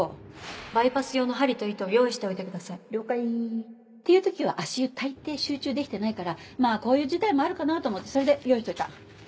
バイパス用の針と糸を用意しておいてくだ了解って言う時は足湯大抵集中できてないからまぁこういう事態もあるかなと思ってそれで用意しといた。